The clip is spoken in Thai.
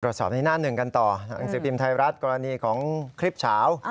สอบในหน้าหนึ่งกันต่อหนังสือพิมพ์ไทยรัฐกรณีของคลิปเฉา